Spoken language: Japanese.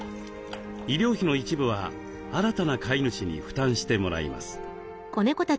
医療費の一部は新たな飼い主に負担してもらいます。